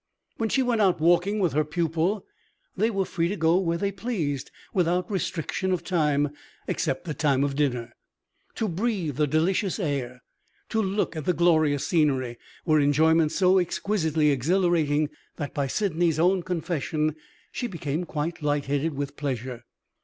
When she went out walking with her pupil they were free to go where they pleased, without restriction of time except the time of dinner. To breathe the delicious air, to look at the glorious scenery, were enjoyments so exquisitely exhilarating that, by Sydney's own confession, she became quite light headed with pleasure.